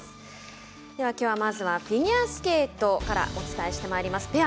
きょうはまずはフィギュアスケートからお伝えしてまいります。